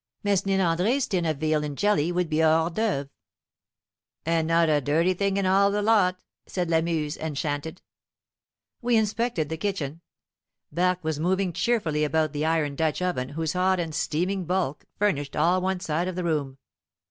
Mesnil Andre's tin of veal in jelly would be a hors d'oeuvre. "And not a dirty thing in all the lot!" said Lamuse, enchanted. We inspected the kitchen. Barque was moving cheerfully about the iron Dutch oven whose hot and steaming bulk furnished all one side of the room.